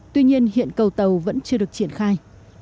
tuy nhiên hiện cầu tàu vẫn chưa được triển khai